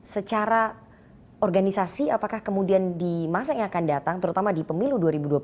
secara organisasi apakah kemudian di masa yang akan datang terutama di pemilu dua ribu dua puluh empat